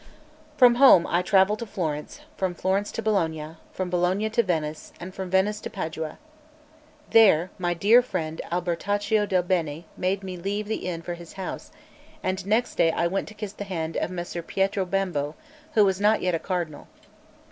1 From home I travelled to Florence, from Florence to Bologna, from Bologna to Venice, and from Venice to Padua. There my dear friend Albertaccio del Bene made me leave the inn for his house; and next day I went to kiss the hand of Messer Pietro Bembo, who was not yet a Cardinal.